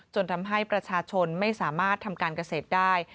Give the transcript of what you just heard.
ทำให้ประชาชนไม่สามารถทำการเกษตรได้